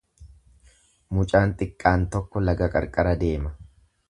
Mucaan xiqqaan tokko laga qarqara deema.